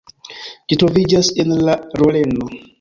Ĝi troviĝas en la Loreno.